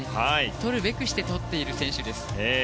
とるべくしてとっている選手です。